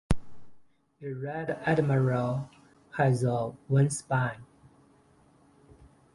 The red admiral has a wingspan.